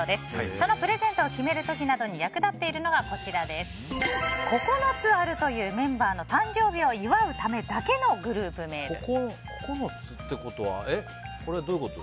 そのプレゼントを決める時などに役立っているのが９つあるというメンバーの誕生日を祝うためだけの９つってことはどういうこと？